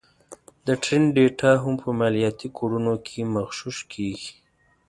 د ټرینډ ډېټا هم په مالياتي کوډونو کې مغشوش کېږي